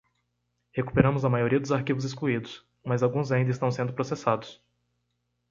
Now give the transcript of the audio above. Recuperamos a maioria dos arquivos excluídos?, mas alguns ainda estão sendo processados.